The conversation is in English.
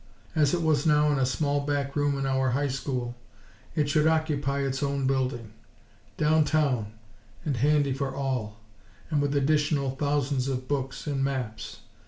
As it was now in a small back room in our High School, it should occupy its own building; down town, and handy for all; and with additional thousands of books and maps.